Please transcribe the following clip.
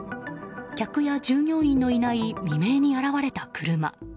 客や従業員のいない未明に現れた車。